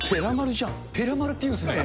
ペラ丸っていうんですね。